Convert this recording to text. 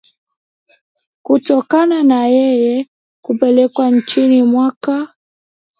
kutokana na yeye kupeleka nchini mwake